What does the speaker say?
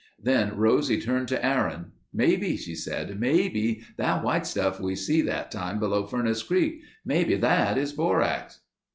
Then Rosie turned to Aaron: "Maybe," she said ... "maybe that white stuff we see that time below Furnace Creek—maybe that is borax."